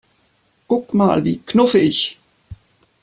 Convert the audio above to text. Guck mal, wie knuffig!